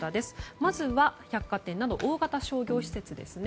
まずは百貨店など大型商業施設ですね。